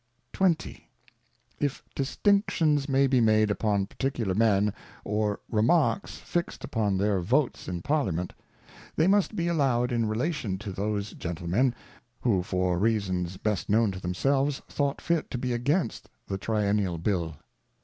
XX. If Distinctions may be made upon particular Men, or Remarks fix'd upon their Votes in Parliament, they must be allow'd in relation to those Gentlemen, who for Reasons best known to themselves thought fit to be against the Triennial Bill.